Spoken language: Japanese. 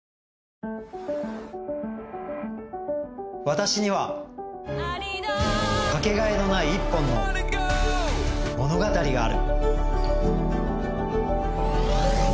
私にはかけがえのない一本の物語がある